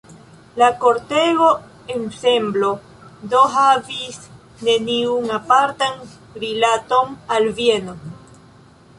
La kortego-ensemblo do havis neniun apartan rilaton al Vieno.